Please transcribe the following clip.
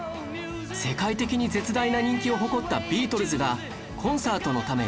世界的に絶大な人気を誇ったビートルズがコンサートのため